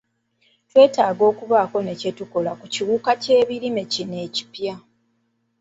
Twetaaga okubaako ne kye tukola ku kiwuka ky'ebirime kino ekipya.